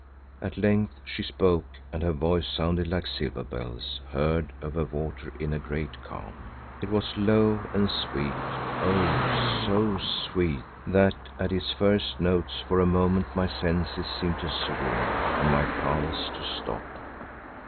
At length she spoke and her voice sounded like silver bells heard over water in a great calm. It was low and sweet, oh! so sweet that at its first notes for a moment my senses seemed to swoon and my pulse to stop.